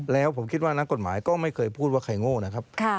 แล้วผมคิดว่านักกฎหมายก็ไม่เคยพูดว่าใครโง่นะครับ